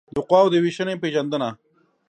د قواوو د وېشنې پېژندنه